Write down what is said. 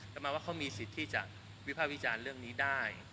แต่มาว่าเขามีสิทธิ์ที่จะวิภาควิจารณ์เรื่องนี้ได้